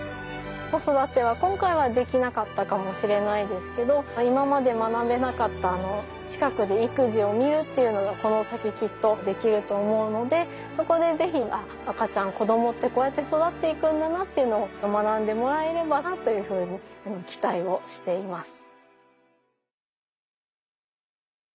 子育ては今回はできなかったかもしれないですけど今まで学べなかった近くで育児を見るっていうのがこの先きっとできると思うのでそこで是非赤ちゃん子供ってこうやって育っていくんだなっていうのを学んでもらえればなというふうに期待をしています。